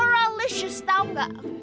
gara licious tau gak